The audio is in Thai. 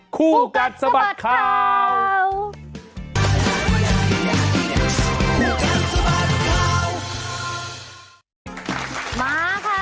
คู่กัดสะบัดข่าว